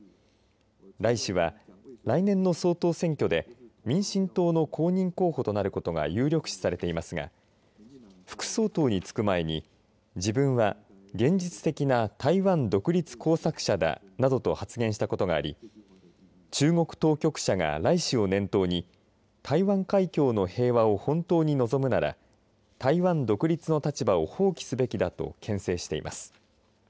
頼氏は来年の総統選挙で民進党の公認候補となることが有力視されていますが副総統に就く前に、自分は現実的な台湾独立工作者だなどと発言したことがあり中国当局者が頼氏を念頭に台湾海峡の平和を本当に望むなら台湾独立の立場を放棄すべきだと、けん制しています。